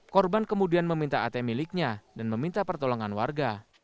korban kemudian meminta at miliknya dan meminta pertolongan warga